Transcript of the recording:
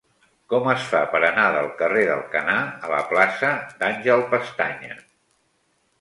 Com es fa per anar del carrer d'Alcanar a la plaça d'Àngel Pestaña?